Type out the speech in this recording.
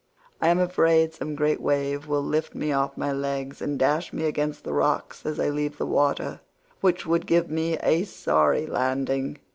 I am afraid some great wave will lift me off my legs and dash me against the rocks as I leave the water—which would give me a sorry landing.